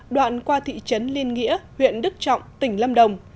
đoạn qua thị trấn liên nghĩa huyện đức trọng tỉnh lâm đồng